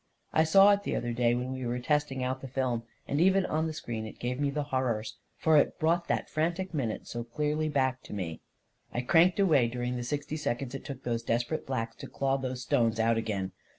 I saw it the other day, when we were 258 A KING IN BABYLON testing out the film, and even on the screen, it gave me the horrors, for it brought that frantic minute so clearly back to me ... I cranked away during the sixty seconds it took those desperate blacks to claw those stones out again